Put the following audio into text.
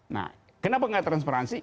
nah kenapa nggak transparansi